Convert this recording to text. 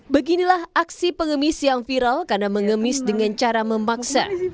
beginilah aksi pengemis yang viral karena mengemis dengan cara memaksa